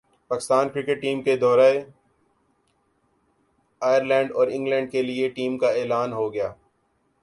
Pakistan cricket team کے دورہ Ireland اور انگلینڈ کیلئے ٹیم کا اعلان ہو گیا